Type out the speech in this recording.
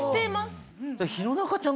弘中ちゃん